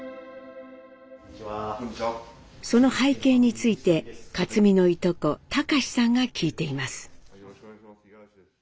その背景について克実のいとこ貴さんが聞いています。